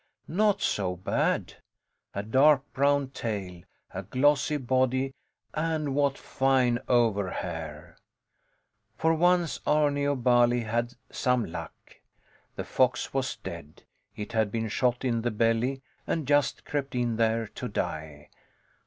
Not so bad! A dark brown tail, a glossy body, and what fine over hair! For once Arni of Bali had some luck! The fox was dead; it had been shot in the belly and just crept in there to die.